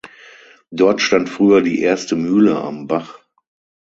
Dort stand früher die erste Mühle am Bach.